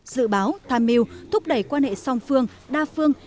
dự báo tham mưu thúc đẩy quan hệ song phương đa phương